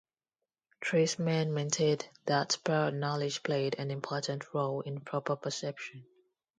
Treisman maintained that prior-knowledge played an important role in proper perception.